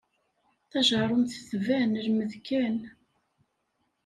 Tajerrumt tban lmed kan.